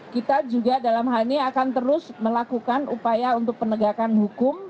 kita juga dalam hal ini akan terus melakukan upaya untuk penegakan hukum